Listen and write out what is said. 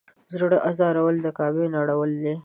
زړه ازارول کعبه نړول دی.